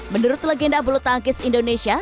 menurut legenda bulu tangkis indonesia